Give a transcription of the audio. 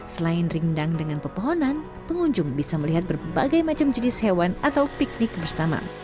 selain ringdang dengan pepohonan pengunjung bisa melihat berbagai macam jenis hewan atau piknik bersama